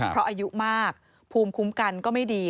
เพราะอายุมากภูมิคุ้มกันก็ไม่ดี